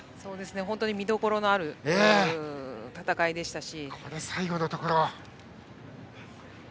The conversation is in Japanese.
本当に見どころのある戦いでしたし。